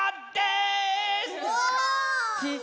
すごい。